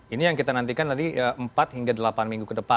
ini yang kita nantikan tadi empat hingga delapan minggu ke depan